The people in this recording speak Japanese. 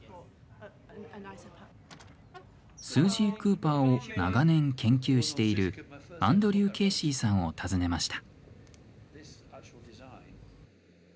スージー・クーパーを長年研究しているアンドリュー・ケーシーさんを訪ねました。